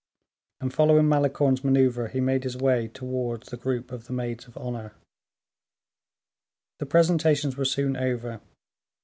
And following Malicorne's maneuver, he made his way toward the group of the maids of honor. The presentations were soon over.